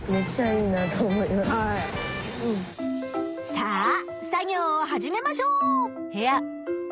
さあ作業を始めましょう！